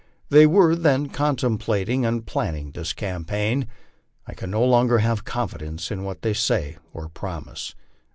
they were then contemplating and planning this campaign, I can no longer have confidence in what they say or promise.